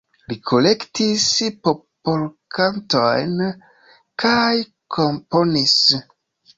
Li kolektis popolkantojn kaj komponis.